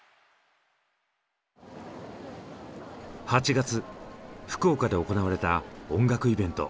８月福岡で行われた音楽イベント。